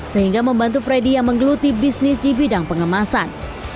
sehingga membantu freddy yang menggeluti bisnis di bidang pengemasan